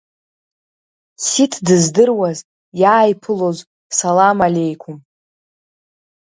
Сиҭ дыздыруаз иааиԥылоз салам алеиқум!